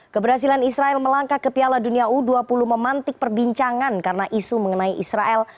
ketika perbincangan karena isu mengenai israel